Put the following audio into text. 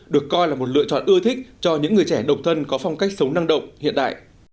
được coi là một lựa chọn ưa thích cho những người trẻ độc thân có phong cách sống năng động hiện đại